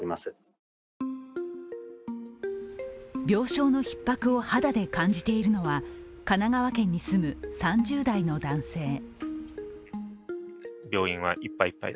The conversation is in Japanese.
病床のひっ迫を肌で感じているのは、神奈川県に住む３０代の男性。